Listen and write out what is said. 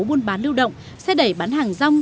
buôn bán lưu động xe đẩy bán hàng rong